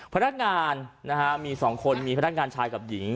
พนักงานมีสองคนมีพนักงานชายกับหญิง